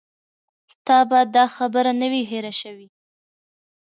ستا به دا خبره نه وي هېره شوې.